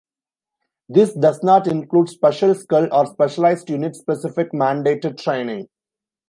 This does not include special skill or specialized unit specific mandated training.